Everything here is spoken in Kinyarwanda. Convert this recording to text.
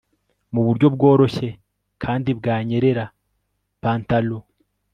Muburyo bworoshye kandi bwanyerera pantaloon